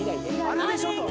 「あれでしょ」と。